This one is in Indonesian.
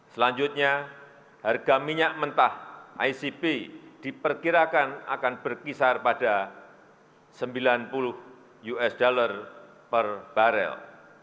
selanjutnya harga minyak mentah icp diperkirakan akan berkisar pada rp sembilan puluh per barrel